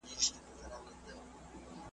غنم د خلکو اساسي خواړه دي.